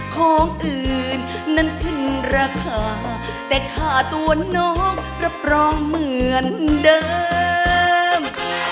ของอื่นนั้นขึ้นราคาแต่ค่าตัวน้องรับรองเหมือนเดิม